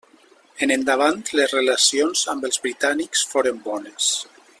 En endavant les relacions amb els britànics foren bones.